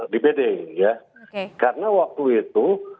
di bd karena waktu itu